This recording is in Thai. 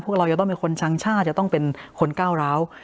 พวกเรายังต้องเป็นคนชังช่าจะต้องเป็นคนก้าวร้าว